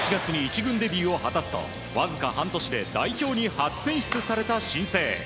去年８月に１軍デビューを果たすとわずか半年で代表に初選出された新星。